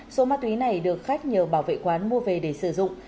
số ma túy này được khách nhờ bảo vệ quán mua về để sử dụng